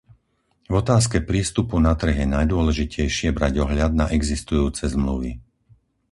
V otázke prístupu na trh je najdôležitejšie brať ohľad na existujúce zmluvy.